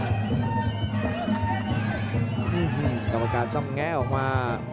อันนี้พยายามจะเน้นข้างซ้ายนะครับ